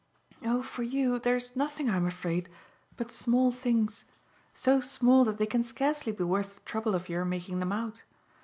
"Oh for you, there's nothing, I'm afraid, but small things so small that they can scarcely be worth the trouble of your making them out.